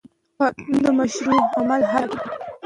قانون د مشروع عمل حد ټاکي.